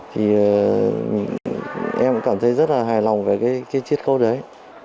thì em cảm thấy rất là hài lòng về cái chiếc khấu đấy